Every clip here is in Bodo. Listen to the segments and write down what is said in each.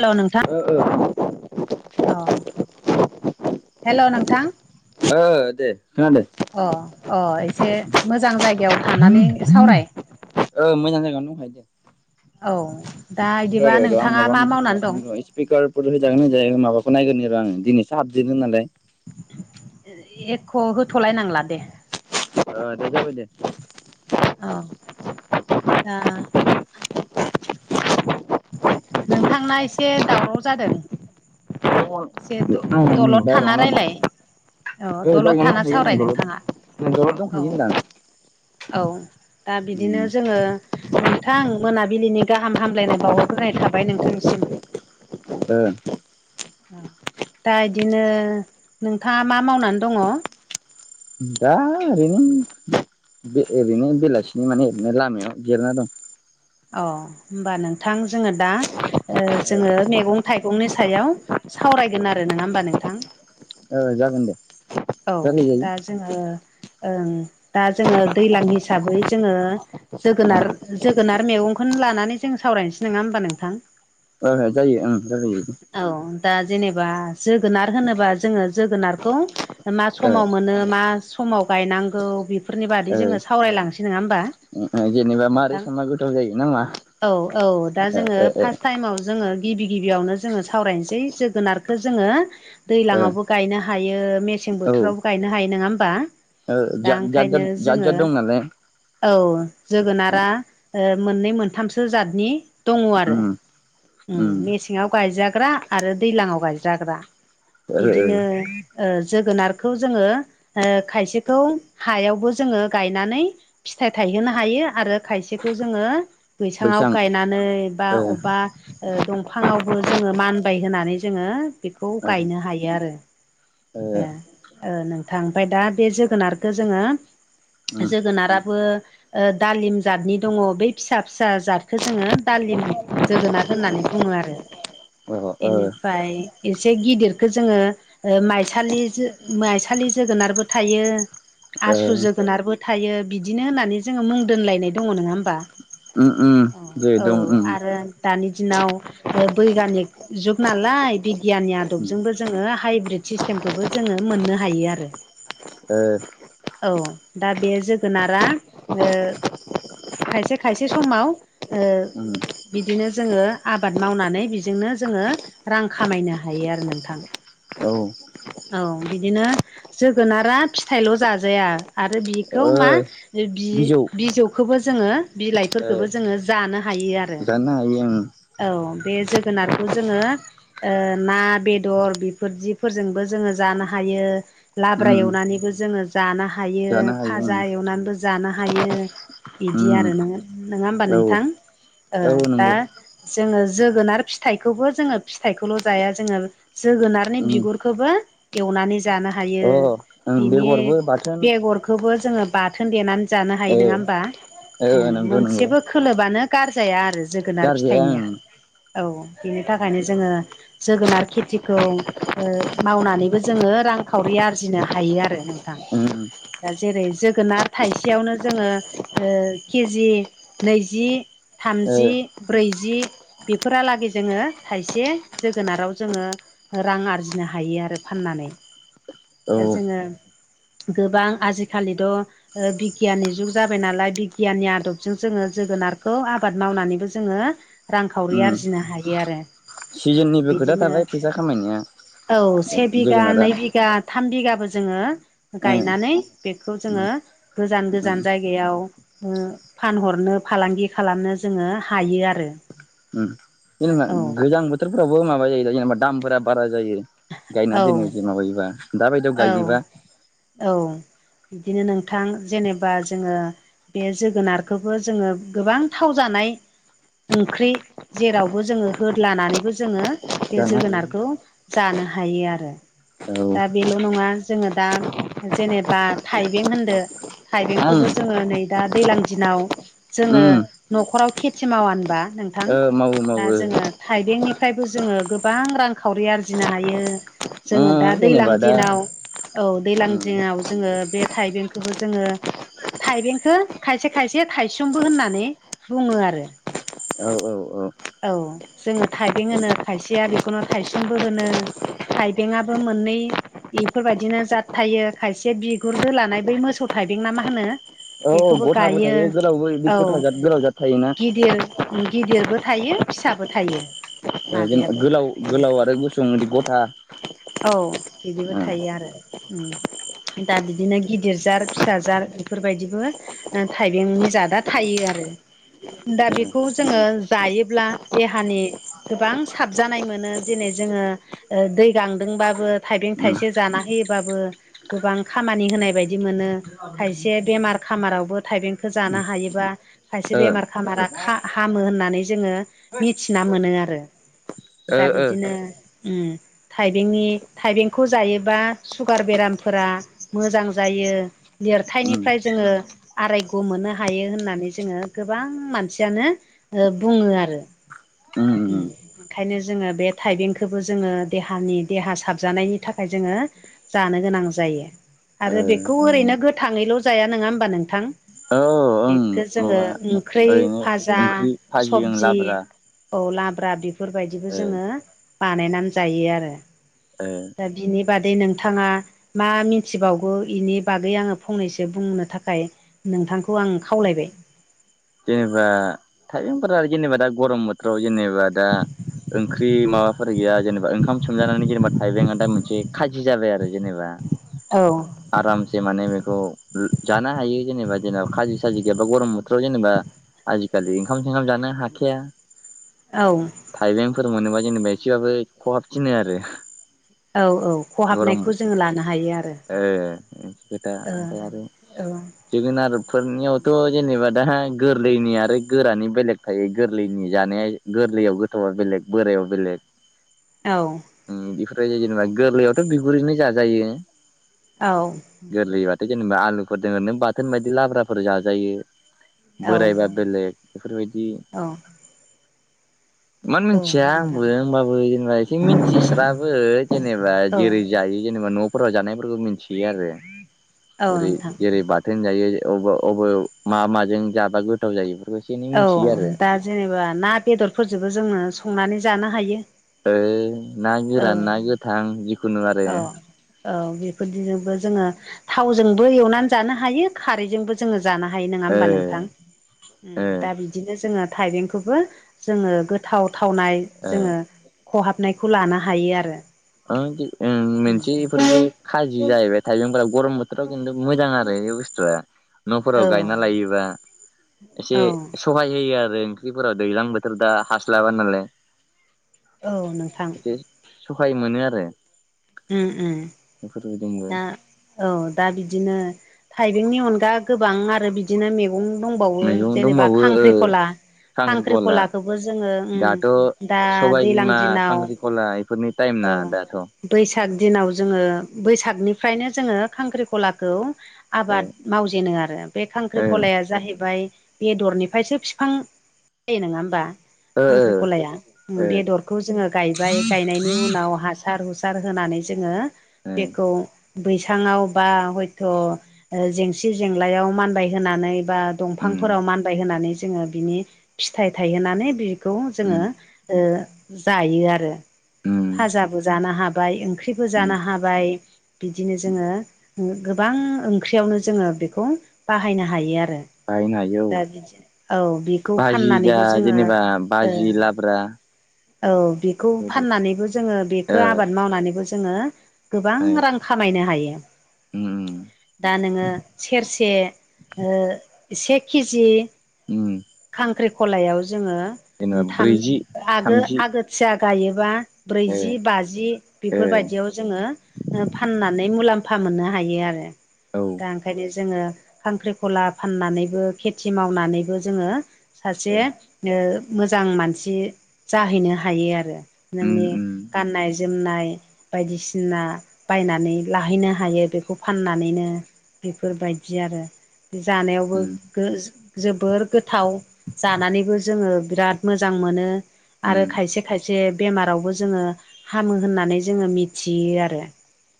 हेल' नोंथां ओ ओ अ हेल' नोंथां ओ दे खोनादो अ-अ एसे मोजां जायगायाव थानानै सावराय। ओ मोजां जायगायावनो दंखायो दे औ दा इदिबा र' र' र' आं नोंथाङा माबा मा मोनसे मावनानै दं? माबाखौनो र' स्पिकारफोर होजागोना होजाया माबाखौ नायग्रोनि र' आङो दिनैसो हाबजेनदो नालाय एख' होथ'लायनांला दे ओ दे जाबाय दे अ दा नोंथांना एसे दावराव जादों। एसे [unintelligible] ओ दलद थाना जागायावनो रायलाय दंखायो औ आं थाना दलद सावराय दलद नोंथाङा दंखायो औ होनदों आं। औ दा बिदिनो जोङो नोंथां मोनाबिलिनि गाहाम हामलायनाय बावहरग्रोनाय थाबाय नोंथांसिम। ओ औ दा इदिनो नोंथाङा मा मावनानै दङ? दा ओरैनो बे ओरैनो बेलासिनि माने ओरैनो लामायाव जिरायना दं। अ ओमबा नोंथां जोङो दा ओ जोङो मेगं थाइगंनि सायाव सावरायगोन आरो नङा ओमबा नोंथां? ओ जागोन दे औ रायलायजायो दा जोङो ओं दा जोङो दैलां हिसाबै जोङो जोगोनार जोगोनार मेगंखौनो लानानै जों सावरायनोसै नङा ओमबा नोंथां? ओ जायो ओं जाहैयो। औ दा जेनेबा जोगोनार होनोबा जोङो जोगोनारखौ मा ओ समाव मोनो मा समाव गायनांगौ बेफोरनि बादि ओ जोङो सावरायलांसै नङा ओमबा? ओ जेनेबा मारै नोंथां संबा गोथाव जायो ना मा औ औ दा ओ जोङो फार्स्ट टाइमाव जोङो गिबि गिबियावनो जोङो सावरायनोसै जोगोनारखौ जोङो ओ दैलाङावबो गायनो हायो मेसें ओ औ बोथोरावबो गायनो हायो नङा ओमबा? ओ जाद जाद जाद दं नालाय औ जोगोनारा ओ मोननै मोनथामसो जातनि दङ आरो उम उम मेसेङाव गायजाग्रा आरो दैलाङाव गायजाग्रा। ओ ओ बिदिनो ओ जोगोनारखौ जोङो ओ खायसेखौ हायावबो जोङो गायनानै फिथाइ थायहोनो हायो आरो खायसेखौ जोङो बैसाङाव बैसां गायनानै बा ओ अबा दंफाङावबो जोंङो मानबाय होनानै जोंङो बेखौ ओ गायनो हायो आरो ओ ओ नोंथां ओमफफ्राय दा बे जोगोनारखौ जोंङो उम जोगोनाराबो दालिम जातनि दङ बे फिसा फिसा जादखौ जोंङो दालिम जोगोनाद होननानै बुंङो आरो अ ओ ओ बेनिफ्राय एसे गिदिरखौ जोंङो माइसालि माइसालि जोगोनारबो थायो आसु जोगोनारबो थायो बिदिनो होननानै जोंङो मुं दोनलायनाय दंङो नङा होमबा उम उम औ जे औ दं उम आरो दानि दिनाव बै गामि जुग नालाय बिगियाननि आदबजोंबो जोंङो हाइब्रिद सिस्टेमखौबो जोंङो मोननो हायो आरो ओ औ दा बे जोगोनारा खायसे खायसे समाव ओ उम बिदिनो जोंङो आबाद मावनानै बेजोंनो जोंङो रां खामायनो हायो आरो नोंथां औ औ बिदिनो जोगोनारा फिथाइल' जाजाया आरो बिखौ ओ मा बि बिजौ बिजौखौबो जोङो ओ बिलाइफोरखौबो जोङो जानो हायो आरो। जानो हायो ओं औ बे जोगोनारखौ जोंङो ओ ना बेदर बेफोरदिफोरजोंबो जोंङो जानो हायो उम लाब्रा एवनानैबो जोंङो जानो हायो जानो ओं फाजा एवनानैबो जानो हायो बिदि उम आरो नङा होमबा औ नोंथां ओ औ दा नंगौ जोंङो जोगोनार फिथाइखौबो जोंङो फिथाइखौल' जाया जोंङो जोगोनारनि उम बिगुरखौबो एवनानै जानो हायो। अ ओं बिनि बेगरबो बाथोन बेगरखौबो जोंङो बाथोन देनानै जानो हायो ओ नंङा होमबा ओ नंगौ नंगौ मोनसेबो खोलोबानो गारजाया आरो जोगोनार फि गारजाया ओं औ बिनि थाखायनो जोंङो जोगोनार खेथिखौ ओ मावनानैबो जोंङो रांखावरि आरजिनो हायो आरो नोंथां उम दा जेरै जोगोनार थाइसेयावनो जोंङो ओ केजि नैजि ओ थामजि ब्रैजि बेफोरहालागै जोंङो थाइसे जोगोनाराव जोंङो रां आरजिनो हायो आरो फाननानै औ दा जोंङो गोबां आजिखालिथ' बिगियाननि जुग जाबाय नालाय बिगियाननि आदबजों जोंङो जोगोनारखौ आबाद मावनानैबो जोंङो रांखावरि उम आरजिनो हायो आरो सिजोननिबो खोथा बिदिनो थाबाय फैसा खामायनाया औ से बिगा जोगोनारा नै बिघा थाम बिगाबो जोंङो ओं गायनानै बेखौ जोंङो ओं गोजान ओं गोजान जायगायाव फानहरनो फालांगि खालामनो जोंङो हायो आरो ओं जेनेबा औ गोजां बोथोरफोरावबो माबा जायो जेनेबा दामफोरा बारा जायो गायना औ दोनो माबायोबा दाबायदियाव औ गायोबा औ बिदिनो नोंथां जेनेबा जोंङो बे जोगोनारखौबो जोंङो गोबां थाव जानाय ओंख्रि जेरावबो जोंङो होद लानानैबो जोंङो बे जानो हायो जोगोनारखौ जानो हायो आरो औ दा बेल' नंङा जोंङो दा जेनेबा थाइबें होनदो आं थाइबेंखौबो जोंङो नै दा दैज्लां दिनाव जोंङो उम न'खराव खेथि मावा होनबा नोंथां ओ मावो दा मावो जोंङो थाइबेंनिफ्रायबो जोंङो गोबां रांखावरि आरजिनो हायो ओ जोंङो दा दै्लां जेनेबा दा औ दैलां उम दिङाव जोंङो बे थाइबेंखौबो जोंङो थाइबेंखौ खायसे खायसे थायसेमबो होननानै बुङो आरो औ औ औ औ जोङो थाइबें होनो खायसेया बेखौनो थायसोमबो होनो थाइबेंआबो मोननै बेफोरबायदिनो जथायो खायसे बिगुर दोलानाय बै मोसौ थाइबें ना मा होनो औ बेखौबो गथाबो गायो थायो गोलावबो बिदि औ गथा जाद गोलाव जाद थायोना गिदिर गिदिरबो थायो फिसाबो थायो जेनब माबायाबो गोलाव गोलाव आरो गुसु गथा औ बिदिबो ओ थायो आरो दा बिदिनो गिदिर जार फिसााजार बेफोरबायदिबो थाइबेंनि जादा थायो आरो दा ओ बेखौ जोङो जायोब्ला देहानि गोबां साबजानाय मोनो दिनै जोङो दै गांदोंबाबो थाइबें उम थाइसे जाना होयोबाबो गोबां खामानि होनाय बायदि मोनो खायसे बेमार खामारावबो थाइबेंखौ जानो हायोबा खायसे ओ बेमार खामारा हामो होननानै जोंङो मिथिना मोनो आरो ओ दा ओ बिदिनो थाइबेंनि थाइबेंखौ जायोबा सुगार बेरामफोरा मोजां जायो उम देरथायनिफ्राय जोङो आरायग' मोननो हायो होननानै जोङो गोबां मानसियानो बुङो आरो उम उम ओंखायनो जोङो बे थाइबेंखौबो जोङो देहानि देहा साबजानायनि थाखाय जोङो जानो गोनां जायो आरो ओ बेखौ ओरैनो गोथाङैल' जाया नङा होमबा नोंथां औ ओं बेखो जोङो माबा ओंख्रि ओरैनो भाजा ओंख्रि भाजि ओं सबजि लाब्रा औ लाब्रा बेफोरबायदिबो ओ जोङो बानायनानै जायो आरो ओ दा बिनि बादै नोंथाङा मा मिथिबावगौ बेनि बागै आङो फंनैसो बुंनो थाखाय नोंथांखौ आं खावलायबाय जेनेबा थाइबेंफोरा जेनेबा दा गरम बोथोराव जेनेबा दा ओंख्रि बे माबाफोर गैया जेनेबा ओंखाम सोमजानानै जेनेबा थाइबेंआ दा मोनसे खाजि जाबाय आरो जेनेबा औ आरामसे माने बेखौ जानो हायो जेनेबा जेनेबा खाजि साजि गैयाबा गरम बोथोराव जेनेबा आजिखालि ओंखाम संखाम जानो हाखाया औ थाइबेंफोर मोनोबा जेनेबा एसेबाबो खहाब थिनो आरो औ औ गरम खहाबनायखौ बोथोर जोङो लानो हायो आरो ओ जोगोनार बेफोरनियावथ' जेनेबा दा गोरलैनि आरो गोरानि बेलेग थायो गोरलैनि जानाया गोरलैयाव गोथावा बेलेग बोरायाव बेलेग औ इफोरबायदि जेनेबा गोरलैयावथ' बिगुरैनो जाजायो औ गैबाथाय जेनेबा आलुफोर दोङो ओरैनो बाथोन बायदि लाब्राफोर जाजायो औ बोरायबा बेलेग बेफोरबायदि औ मानो औ मिथिया आंबो नोंथां होमबाबो जेनेबा एसे मिथिस्राबो जेनेबा औ जेरै जायो जेनेबा न' फराव जानायफोरखौ मिथियो आरो औ ओरै नोंथां जेरै बा थोन जायो [unintelligible] अबे मा माजों जाब गोथाव जायो बेफोरखौ एसे एनै औ मिथियो आरो दा जेनेबा ना बेदरफोरजोंबो जोङो संनानै जानो हायो ओइ ना गोरान औ ना गोथां जिखुनु आरो औ औ बेफोरदिजोंबो जोङो थावजोंबो एवनानै जानो हायो खारैजोंबो जोङो जानो हायो नोङा ओ होमबा नोंथां ओम ओ दा बिदिनो जोङो थाइबेंखौबो जोङो गोथाव थावनाय ओ जोङो खहाबनायखौ लानो हायो आरो [unintelligible] ओं मोनसे बेफोरबो खाजि जाहैबाय थाइबेंफोरा गरम बोथोराव खिनथु मोजां आरो बे बुसथुआ न'फोराव गायना लायोबा औ एसे सहाय होयो आरो ओंख्रिफोरा दैज्लां बोथोर दा हास्लाबा नालाय औ नोंथां उफाय मोनो आरो उम उम बेफोरबायदि होनबा दा औ दा बिदिनो थाइबेंनि अनगा गोबां आरो बि दिनो मैगं दंबावो मैगं जेनेबा दंबावो ओ खांख्रिखला खांख्रिखला खांख्रिखलाखौबो जोङो दाथ' मम दा दैलां दिनाव गला इफोरनि टाइम औ ना दाथ' बैसाग दिनाव जोङो बैसागनिफ्रायनो जोङो खांख्रिखलाखौ आबाद मावजेनो आरो बे ओ खांख्रिखलाया जाहैबाय बेदरनिफ्रायसो बिफां जायो नोङा होमबा ओ खांख्रिखलाया बेदरखौ जोङो गायबाय गायनायनि उनाव हास सार हुसार होनानै जोङो ओ ओ बेखौ बैसाङाव बा हयथ' जेंसि जेंलायाव मानबाय होनानै बा उम दंफांफोराव मानबाय होनानै जोङो बिनि फिथाइ थायहोनानै बि खौ उम जोङो ओ जायो आरो उम फाजाबो जानो हाबाय ओंख्रिबो उम जानो हाबाय बिदिनो जोङो गोबां ओंख्रियावनो जोङो बेखौ बाहायनो हायो आरो बाहायनो हायो दा औ बिदिनो औ बेखौ भाजि जा फाननानैबो जोङो जेनेबा ओ भाजि लाब्रा औ बेखौ बेबायदि फाननानैबो जोङो बेखौ ओ आबाद मावनानैबो जोङो गोबां रां खामायनो हायो उम उम दा नोङो सेरसे ओ से केजि उम खांख्रिखलायाव जोङो जेनेबा थाम ब्रैजि आगो थामजि आगो सिया गायोबा ओ ब्रैजि बाजि ओ बेफोरबायदियाव जोङो फनानै मुलामफा मोननो हायो आरो औ दा ओ ओंखायनो जोङो खांख्रिखला फाननानैबो खेथि मावनानैबो जोङो सासे ओ मोजां मानसि जाहैनो हायो आरो उम नोंनि उम गाननाय जोमनाय बायदिसिना बायनानै लाहैनो हायो बेखौ फाननानैनो बेफोरबायदि आरो जानायावबो उम जोबोर गोथाव जानानैबो जोङो बिराद मोजां मोनो। आरो उम खायसे खायसे बेमारावबो जोङो हामो होननानै जोङो मिथियो आरो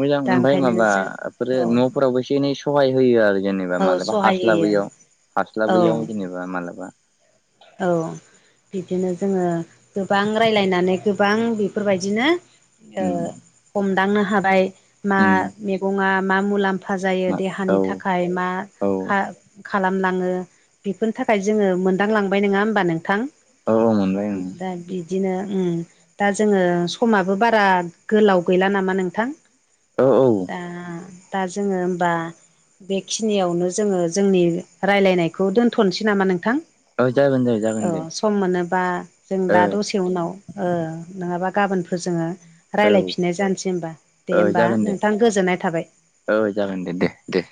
मोजां दा ओमफ्राय ओंखायनो जों माबाफोरो औ न'फोरावबो एसे एनै सहाय होयो आरो जेनेबा औ मालाबा सहाय होयो हास्लाबैयाव। औ हास्लाबैयाव जेनेबा मालाबा औ बिदिनो जोङो गोबां रायलायनानै गोबां बेफोरबायदिनो ओ उम हमदांनो हाबाय मा उम मैगंया मा मुलाम फा जायो देहानि औ थाखाय मा औ खालामलाङो बेफोरनि थाखाय जोङो मोनदांलांबाय नङा होमबा नोंथां। औ मोनबाय ओं दा बि बिदिनो दा जोङो समाबो बारा गोलाव गैला नामा नोंथां? औ दा औ दा जोङो हबा बेखिनियावनो जोङो जोंनि रायलायनायखौ दोन्थ'नोसै नामा नोंथां? औ जागोन जायो औ सम मोनोबा जों दा दसे उनाव नङाबा गाबोनफोर जोङो औ रायज्लायफिननाय जानोसै होनोमबा दे ओ होमबा जागोन दे नोंथां गोजोननाय थाबाय औ जागोन दे दे दे।